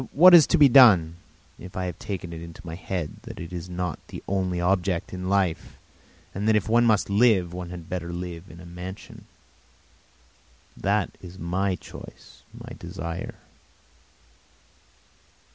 But what is to be done if I have taken it into my head that that is not the only object in life, and that if one must live one had better live in a mansion? That is my choice, my desire.